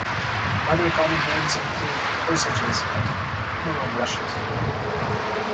Other common names include bursages and burrobrushes.